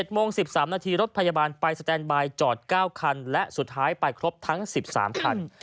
โมง๑๓นาทีรถพยาบาลไปสแตนบายจอด๙คันและสุดท้ายไปครบทั้ง๑๓คัน